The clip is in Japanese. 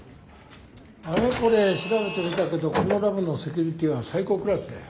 あれこれ調べてみたけどこのラボのセキュリティーは最高クラスだよ。